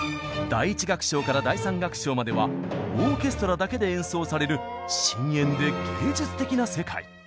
第１楽章から第３楽章まではオーケストラだけで演奏される深遠で芸術的な世界。